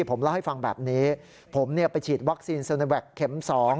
ผมเล่าให้ฟังแบบนี้ผมไปฉีดวัคซีนเซโนแวคเข็ม๒